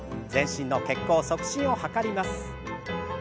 全身の血行促進を図ります。